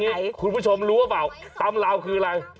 เอาอย่างนี้คุณผู้ชมรู้หรือเปล่าตำราวคืออะไร